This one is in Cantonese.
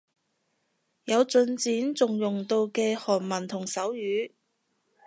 有進展仲用到嘅得韓文同手語